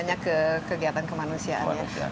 tapi kegiatan kemanusiaan ya